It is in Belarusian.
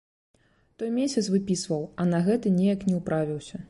Той месяц выпісваў, а на гэты неяк не ўправіўся.